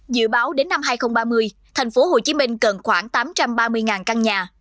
dự báo đến năm hai nghìn ba mươi tp hcm cần khoảng tám trăm ba mươi căn nhà